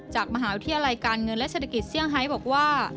จากมหาวิทยาลัยการเงินและเศรษฐกิจเซี่ยงไฮบอกว่า